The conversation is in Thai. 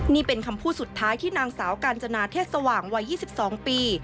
นี่เป็นคำพูดสุดท้ายที่นางสาวกาญจนาเทศสว่างวัย๒๒ปี